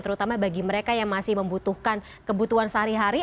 terutama bagi mereka yang masih membutuhkan kebutuhan sehari hari